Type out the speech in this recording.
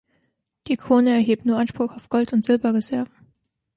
Die Krone erhebt nur Anspruch auf Gold- und Silberreserven.